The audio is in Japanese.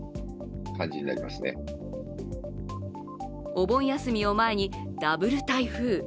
お盆休みを前にダブル台風。